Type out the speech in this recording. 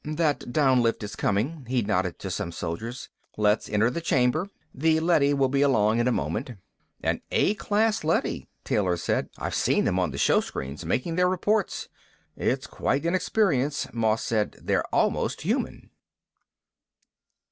"That down lift is coming." He nodded to some soldiers. "Let's enter the chamber. The leady will be along in a moment." "An A class leady," Taylor said. "I've seen them on the showscreens, making their reports." "It's quite an experience," Moss said. "They're almost human."